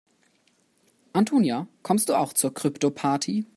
Antonia, kommst du auch zur Kryptoparty?